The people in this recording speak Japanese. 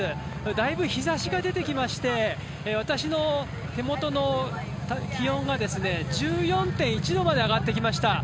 だいぶ日ざしが出てきまして私の手元の気温が１４．１度まで上がっていきました。